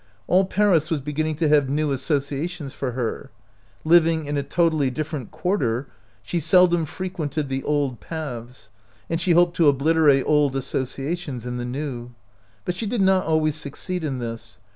All Paris was beginning to have new associations for her. Living in a to tally different quarter, she seldom frequented the old paths, and she hoped to obliterate old associations in the new. But she did not always succeed in this.